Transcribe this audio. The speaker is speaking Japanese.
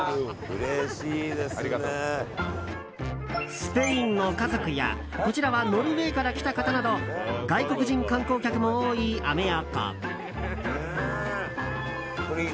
スペインの家族や、こちらはノルウェーから来た方など外国人観光客も多いアメ横。